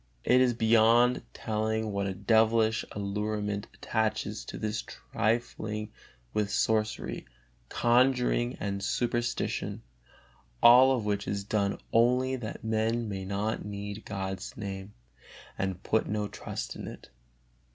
It is beyond telling what a devilish allurement attaches to this trifling with sorcery, conjuring and superstition, all of which is done only that men may not need God's Name and put no trust in it.